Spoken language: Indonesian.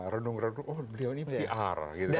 renung redung oh beliau ini pr